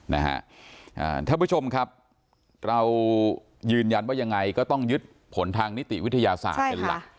ท่านผู้ชมครับเรายืนยันว่ายังไงก็ต้องยึดผลทางนิติวิทยาศาสตร์เป็นหลัก